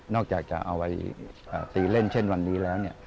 อกจากจะเอาไว้ตีเล่นเช่นวันนี้แล้ว